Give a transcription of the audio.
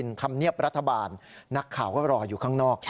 นักข่าวรออยู่ข้างนอก